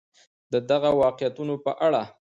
د دغه واقعاتو په اړه